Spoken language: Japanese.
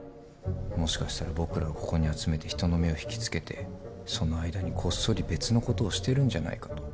もしかしたら僕らをここに集めて人の目を引きつけてその間にこっそり別のことをしてるんじゃないかと。